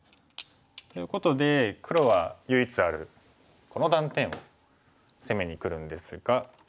ということで黒は唯一あるこの断点を攻めにくるんですが。